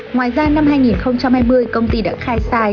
ngoài ra năm hai nghìn hai mươi công ty đã khai sai